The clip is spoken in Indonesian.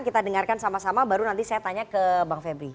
kita dengarkan sama sama baru nanti saya tanya ke bang febri